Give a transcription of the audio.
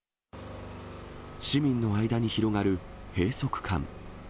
市民の間に広がる閉塞感。